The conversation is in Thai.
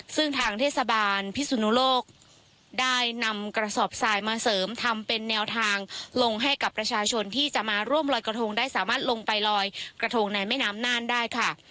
ซึ่งทางเทศบาลพิสุนุโลกได้นำกระสอบทรายมาเสริมทำเป็นแนวทางลงให้กับประชาชนที่จะมาร่วมลอยกระทงได้สามารถลงไปลอยกระทงในแม่น้ำน่านได้ค่ะ